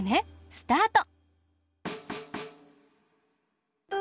スタート！